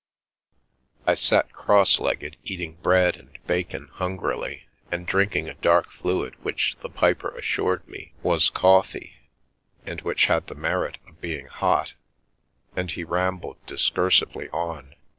•j: Haggett's I sat cross legged, eating bread and bacon hungrily, and drinking a dark fluid which the piper assured me was coffee and which had the merit of being hot, and he rambled discursively on.